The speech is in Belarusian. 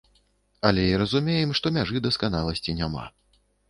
Але і разумеем, што мяжы дасканаласці няма.